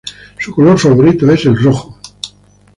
Su color favorito es el rojo.